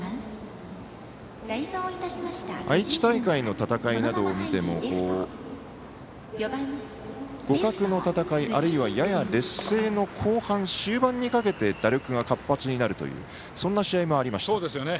愛知大会などの戦いを見ても互角の戦い、あるいはやや劣勢の後半で終盤にかけて打力が活発になるとそんな試合もありました。